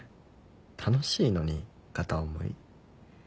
楽しいのに片思い。